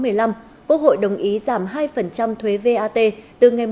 quốc hội đồng ý giảm hai thuế vat từ ngày một một một